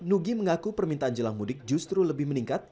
nugi mengaku permintaan jelang mudik justru lebih meningkat